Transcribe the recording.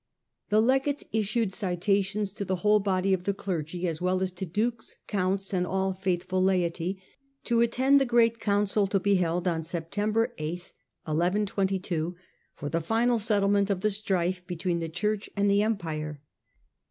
I4ie legates issued citations to the whole body of the clergy, as well as to dukes, counts, and all faithful oonndi laity, to attend the great council to be held on Sept. 8, 1122 September 8 for the final settlement of the ^fe bet^en the Church and the Empire.